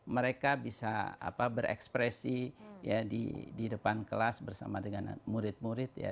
mereka bisa berekspresi di depan kelas bersama dengan murid murid ya